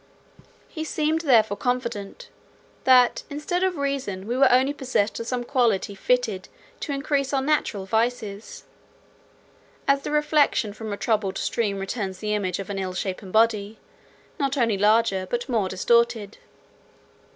He seemed therefore confident, that, instead of reason we were only possessed of some quality fitted to increase our natural vices; as the reflection from a troubled stream returns the image of an ill shapen body, not only larger but more distorted."